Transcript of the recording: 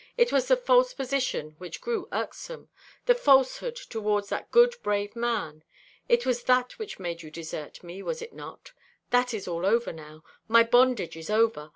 It was the false position which grew irksome; the falsehood towards that good, brave man. It was that which made you desert me, was it not? That is all over now. My bondage is over.